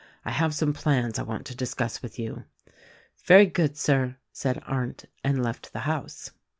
I have some plans I want to discuss with you." "Very good, Sir," said Arndt, and left the house.